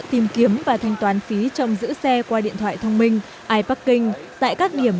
tìm kiếm và thanh toán phí trong giữ xe qua điện thoại thông minh iparking tại các điểm